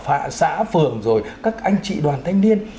hạ xã phường rồi các anh chị đoàn thanh niên